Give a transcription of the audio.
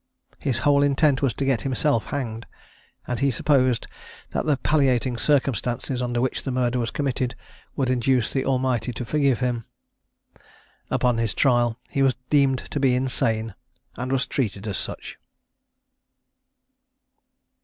His whole intent was to get himself hanged; and he supposed that the palliating circumstances under which the murder was committed would induce the Almighty to forgive him. Upon his trial he was deemed to be insane, and was treated as such.